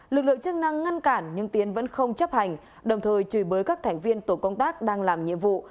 lực lượng chức năng ngăn cản nhưng tiến vẫn không chấp hành đồng thời chửi bới các thành viên tổ công tác đang làm nhiệm vụ